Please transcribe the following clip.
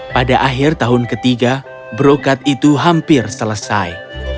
pada akhir tahun ketiga brokat itu hampir selesai